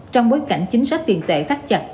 trong bối cảnh chính sách tiền tệ thắt chặt